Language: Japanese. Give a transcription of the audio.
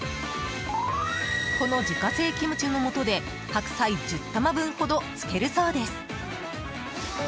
この自家製キムチのもとで白菜１０玉分ほど漬けるそうです。